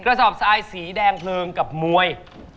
กระสอบทรายสีแดงเพลิงกับมวย